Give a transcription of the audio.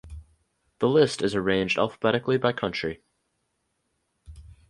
The list is arranged alphabetically by country.